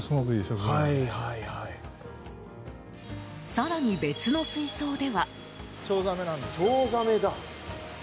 更に、別の水槽では。